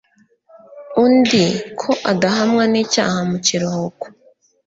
undi, ko adahamwa n'icyaha mu kiruhuko